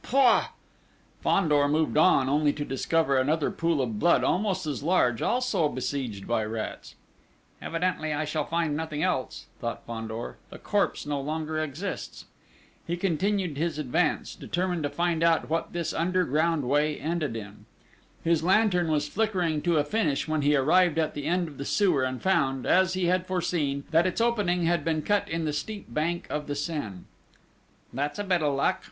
Pouah!" Fandor moved on, only to discover another pool of blood almost as large, also besieged by rats: "Evidently I shall find nothing else," thought Fandor: "the corpse no longer exists!" He continued his advance, determined to find out what this underground way ended in. His lantern was flickering to a finish when he arrived at the end of the sewer and found, as he had foreseen, that its opening had been cut in the steep bank of the Seine: "That's a bit of luck!